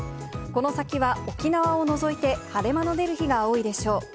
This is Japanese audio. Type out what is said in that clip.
この先は沖縄を除いて晴れ間の出る日が多いでしょう。